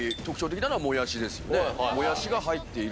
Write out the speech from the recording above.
もやしが入っている。